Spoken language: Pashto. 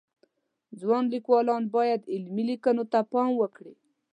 ځوان لیکوالان باید علمی لیکنو ته پام وکړي